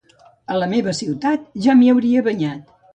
A la meua ciutat, ja m’hi hauria banyat...